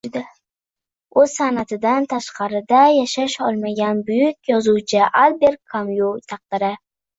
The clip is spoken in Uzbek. O‘z san’atidan tashqarida yashay olmagan buyuk yozuvchi Alber Kamyu taqdiri